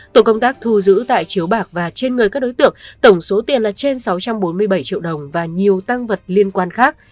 tổ công tác thu giữ tại chiếu bạc và trên người các đối tượng tổng số tiền là trên sáu trăm bốn mươi bảy triệu đồng và nhiều tăng vật liên quan khác